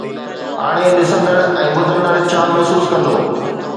هاڻي ڏسندڙ ۽ ٻڌندڙ ڇا محسوس ڪندو؟